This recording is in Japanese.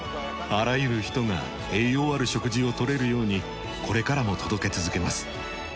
あらゆる人が栄養ある食事を取れるようにこれからも届け続けます。